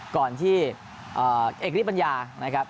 ก่อนที่เอกริปัญญานะครับ